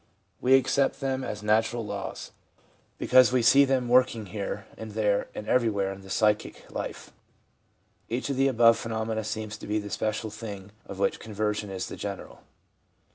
We accept them as natural laws, because we see them i 4 4 THE PSYCHOLOGY OF RELIGION working here and there and everywhere in the psychic life. Each of the above phenomena seems to be the special thing of which conversion is the general.